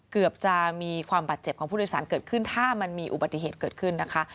เกือบจะมีความบาดเจ็บของผู้โดยสารเกิดขึ้นถ้ามันมีอุบัติเหตุเกิดขึ้นนะคะ